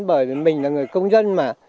bởi vì mình là người công dân mà